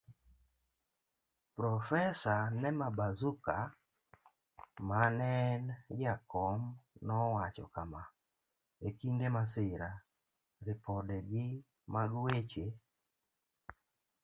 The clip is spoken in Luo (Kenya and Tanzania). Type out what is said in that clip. Profesa Nema Bazuka maneen jakom nowacho kama:E kinde masira, Ripode Gi mag weche.